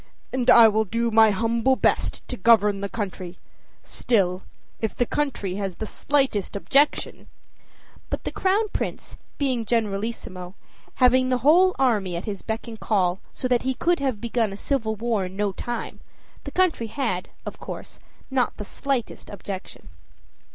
"And I will do my humble best to govern the country. Still, if the country has the slightest objection " But the Crown Prince being generalissimo, having the whole army at his beck and call, so that he could have begun a civil war in no time, the country had, of course, not the slightest objection.